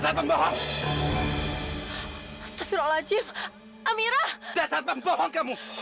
saya agak sedikit canggung aja menyebut nama kamu dengan sebutan ibu